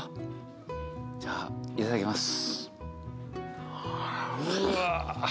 じゃあいただきます。